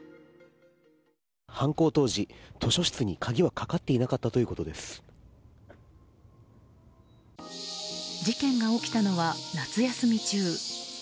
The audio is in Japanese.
犯行当時、図書室に鍵はかかっていなかった事件が起きたのは夏休み中。